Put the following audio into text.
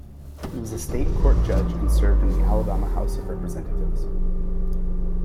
He was a state court judge and served in the Alabama House of Representatives.